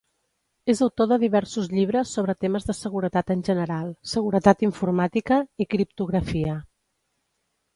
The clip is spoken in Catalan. És autor de diversos llibres sobre temes de seguretat en general, seguretat informàtica i criptografia.